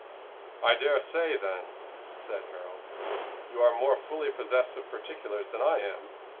"I daresay, then," said Harold, "you are more fully possessed of particulars than I am.